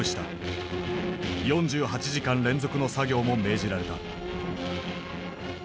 ４８時間連続の作業も命じられた。